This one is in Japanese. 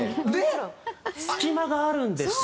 隙間があるんですよ。